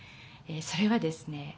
それはですね